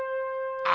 あ！